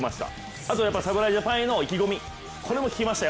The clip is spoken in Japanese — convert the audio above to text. あと侍ジャパンへの意気込み、これも聞きましたよ。